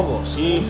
oh si si